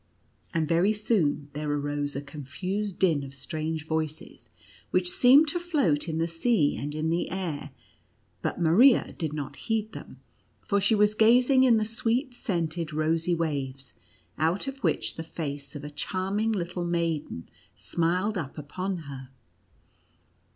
And very soon there arose a confused din of strange voices, which seemed to float in the sea and in the air ; but Maria did not heed them, for she was gazing in the sweet scented, rosy waves, out of which the face of a charming little maiden smiled up upon her.